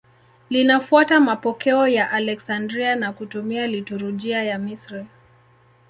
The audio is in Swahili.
Linafuata mapokeo ya Aleksandria na kutumia liturujia ya Misri.